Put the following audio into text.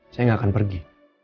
saya gak akan pergi